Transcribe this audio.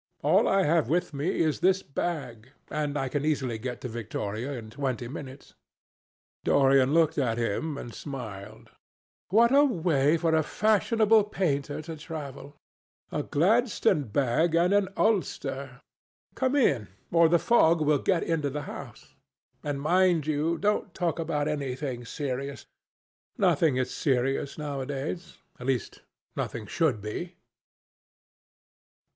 All I have with me is in this bag, and I can easily get to Victoria in twenty minutes." Dorian looked at him and smiled. "What a way for a fashionable painter to travel! A Gladstone bag and an ulster! Come in, or the fog will get into the house. And mind you don't talk about anything serious. Nothing is serious nowadays. At least nothing should be."